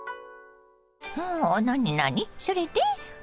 なになにそれで？